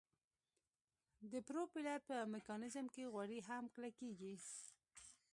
د پروپیلر په میکانیزم کې غوړي هم کلکیږي